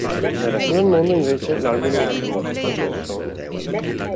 Nel resto del mondo, invece, l'album non ebbe molto successo.